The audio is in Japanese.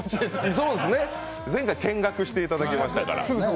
そうですね、前回見学していただきましたから。